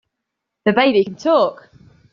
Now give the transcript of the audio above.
The baby can TALK!